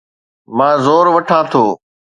مان زور وٺان ٿو